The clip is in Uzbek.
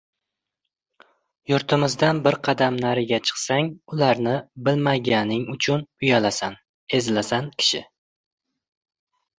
Yurtimizdan bir qadam nariga chiqsang, ularni bilmaganing uchun uyalasan, ezilasan kishi.